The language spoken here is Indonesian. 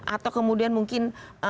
atau kemudian mungkin